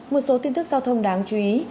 một số tin thức giao thông đáng chú ý